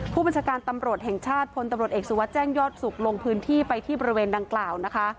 ผู้บัญชาการตำรวจแห่งชาติพลตำรวจเอกสุวัสดิแจ้งยอดสุขลงพื้นที่ไปที่บริเวณดังกล่าวนะคะ